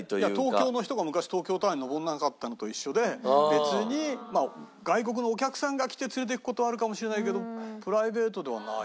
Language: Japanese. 東京の人が昔東京タワーに上らなかったのと一緒で別に外国のお客さんが来て連れていく事はあるかもしれないけどプライベートではない。